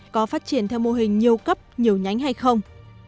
có phát triển theo mô hình nhiều cấp nhiều nhánh hay không